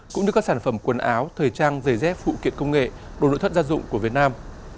cũng như các sản phẩm quần áo thời trang giày dép phụ kiện công nghệ đồ nội thất gia dụng của việt nam